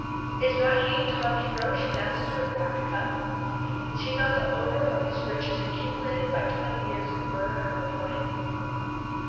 Is not he, Thomas Roch, master of Back Cup? Is he not the owner of these riches accumulated by twenty years of murder and rapine?